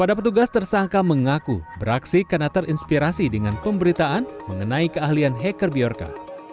pada petugas tersangka mengaku beraksi karena terinspirasi dengan pemberitaan mengenai keahlian hacker bjorka